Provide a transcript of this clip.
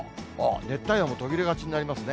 熱帯夜も途切れがちになりますね。